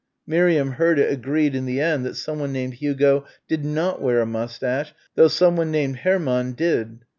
Miriam heard it agreed in the end that someone named Hugo did not wear a moustache, though someone named Hermann did.